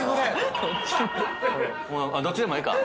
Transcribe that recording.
どっちでもええか。